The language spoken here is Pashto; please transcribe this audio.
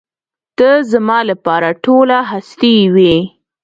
ته زما لپاره ټوله هستي وې.